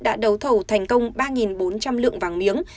đã đấu thầu thành công ba bốn trăm linh lượng vàng miếng